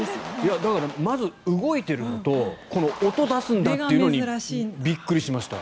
だからまず動いているのと音を出すんだっていうのにびっくりしました。